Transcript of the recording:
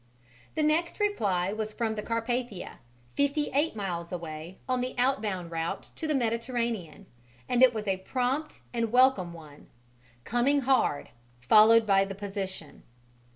The next reply was from the Carpathia, fifty eight miles away on the outbound route to the Mediterranean, and it was a prompt and welcome one "Coming hard," followed by the position.